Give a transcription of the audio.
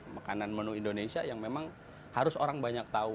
makanan menu indonesia yang memang harus orang banyak tahu